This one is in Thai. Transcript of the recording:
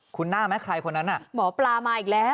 คุณหน้าไหมใครคนนั้นน่ะหมอปลามาอีกแล้ว